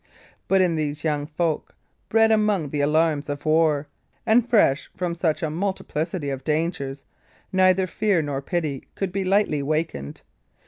But in these young folk, bred among the alarms of war, and fresh from such a multiplicity of dangers, neither fear nor pity could be lightly wakened.